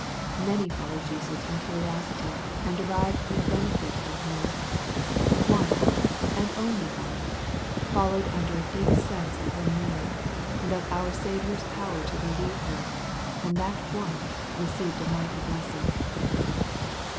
Many followed Jesus from curiosity, and derived no benefit from Him 100 EXPOSITORY THOUGHTS. One, and only one, followed under a deep sense of hei need, and of our Saviour's power to relieve her, and that one received a mighty blessing.